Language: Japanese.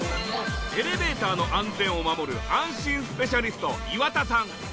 エレベーターの安全を守る安心スペシャリスト岩田さん。